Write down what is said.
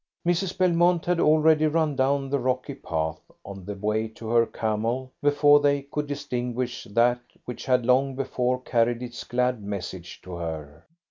Mrs. Belmont had already run down the rocky path, on the way to her camel, before they could distinguish that which had long before carried its glad message to her.